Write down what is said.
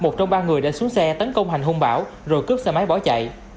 có ba người đã xuống xe tấn công hành hung bão rồi cướp xe máy bỏ chạy